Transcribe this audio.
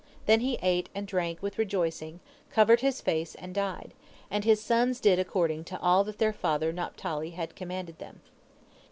Then he ate and drank with rejoicing, covered his face, and died, and his sons did according to all that their father Naphtali had commanded them.